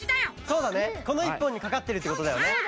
そうだねこの１ぽんにかかってるってことだよね。